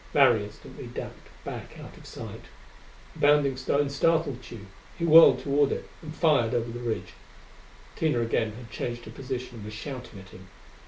Larry instantly ducked back out of sight. The bounding stone startled Tugh; he whirled toward it and fired over the ridge. Tina again had changed her position and was shouting at him.